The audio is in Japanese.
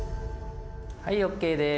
はいＯＫです。